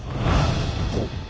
おっ。